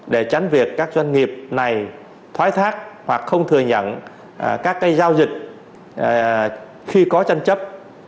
để tránh việc các doanh nghiệp này thoái thác hoặc không thừa nhận các giao dịch khi có tranh chấp